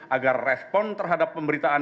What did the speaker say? agar respon terhadap pemberitaan